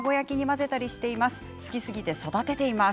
好きすぎてよく食べています。